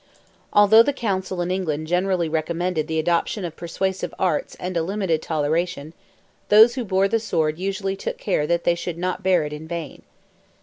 Although the Council in England generally recommended the adoption of persuasive arts and a limited toleration, those who bore the sword usually took care that they should not bear it in vain.